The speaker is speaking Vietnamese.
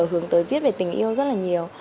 hướng tới viết về tình yêu rất là nhiều